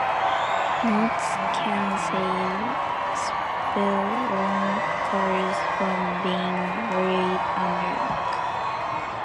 Knots can save spelunkers from being buried under rock.